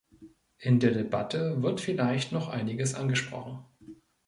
In der Debatte wird vielleicht noch einiges angesprochen.